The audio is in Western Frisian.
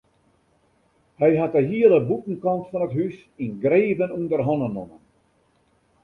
Hy hat de hiele bûtenkant fan it hús yngreven ûnder hannen nommen.